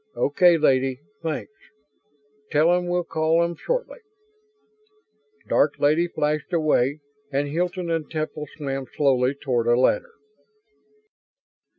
"Okay, Lady, thanks. Tell 'em we'll call 'em shortly." Dark Lady flashed away and Hilton and Temple swam slowly toward a ladder.